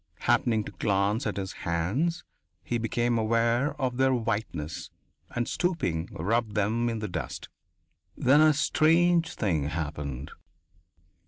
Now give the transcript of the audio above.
Happening to glance at his hands, he became aware of their whiteness, and stooping, rubbed them in the dust. Then a strange thing happened.